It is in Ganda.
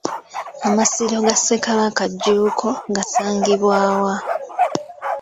Amasiro ga Ssekabaka Jjuuko gasangibwa wa?